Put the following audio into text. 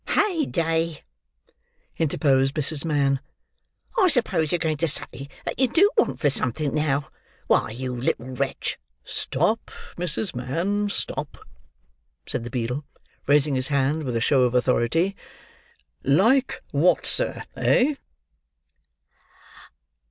"Hey day!" interposed Mrs. Mann, "I suppose you're going to say that you do want for something, now? Why, you little wretch—" "Stop, Mrs. Mann, stop!" said the beadle, raising his hand with a show of authority. "Like what, sir, eh?"